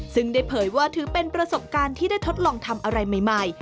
ซึ่งได้เผยว่าถือเป็นประสบการณ์ที่ได้ทดลองทำอะไรใหม่